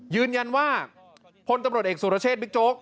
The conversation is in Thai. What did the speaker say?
ยืนยันว่าพลตำรวจเอกสุรเชษฐบิ๊กโจ๊ก